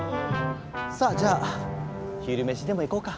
さじゃあ昼飯でも行こうか。